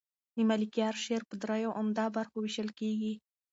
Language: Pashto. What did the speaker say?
د ملکیار شعر په دریو عمده برخو وېشل کېږي.